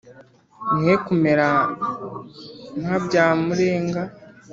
Mwe kumera nka Byamurenga